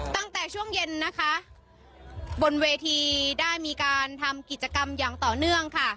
ตั้งแต่ช่วงเย็นนะคะบนเวทีได้มีการทำกิจกรรมอย่างต่อเนื่องค่ะ